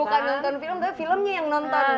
bukan nonton film tapi filmnya yang nonton kita ya